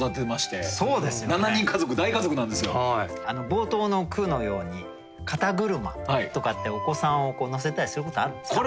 冒頭の句のように肩ぐるまとかってお子さんを乗せたりすることあるんですか？